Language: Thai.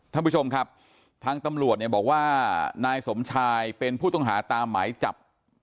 ท่านผู้ชมครับทางตำรวจเนี่ยบอกว่านายสมชายเป็นผู้ต้องหาตามหมายจับ